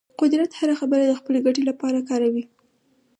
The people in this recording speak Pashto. قدرت هره خبره د خپلې ګټې لپاره کاروي.